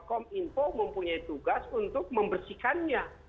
kom info mempunyai tugas untuk membersihkannya